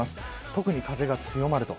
特に風が強まると。